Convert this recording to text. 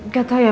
gak tau ya